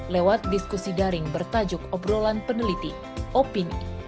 lewat diskusi daring bertajuk obrolan peneliti opini